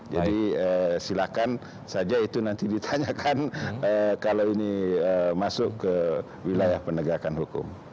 jadi silakan saja itu nanti ditanyakan kalau ini masuk ke wilayah penegakan hukum